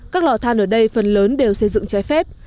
các lò than ở đây phần lớn đều xây dựng trái phép